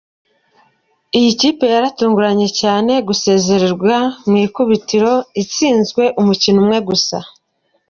Iyi kipe yaratunguranye cyane gusezererwa ku ikubitiro itsinze umukino umwe gusa.